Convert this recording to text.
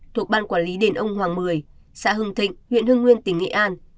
thuộc ban quản lý đền ông hoàng một mươi xã hưng thịnh huyện hưng nguyên tỉnh nghệ an